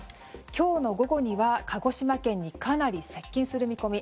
今日の午後には、鹿児島県にかなり接近する見込み。